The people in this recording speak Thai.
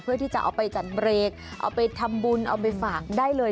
เพื่อที่จะเอาไปจัดเบรกเอาไปทำบุญเอาไปฝากได้เลย